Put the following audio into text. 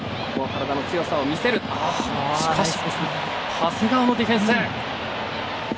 長谷川のディフェンス！